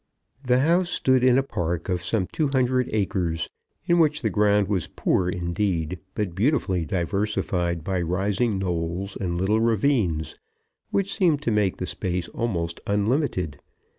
The house stood in a park of some two hundred acres, in which the ground was poor, indeed, but beautifully diversified by rising knolls and little ravines, which seemed to make the space almost unlimited.